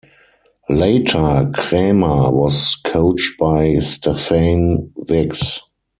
Later, Kremer was coached by Stephane Vix.